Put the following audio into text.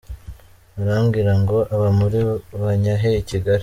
barambwira ngo aba muri Bannyahe i Kigali.